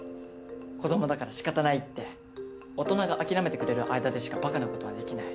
子供だから仕方ないって大人が諦めてくれる間でしかバカなことはできない。